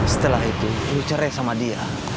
setelah itu lu cerai sama dia